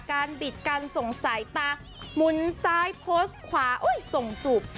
บิดกันส่งสายตามุนซ้ายโพสต์ขวาส่งจูบ